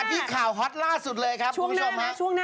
มาที่ข่าวฮอตล่าสุดเลยครับช่วงช่วงหน้านั้น